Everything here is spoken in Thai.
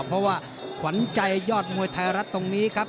เพราะว่าขวัญใจยอดมวยไทยรัฐตรงนี้ครับ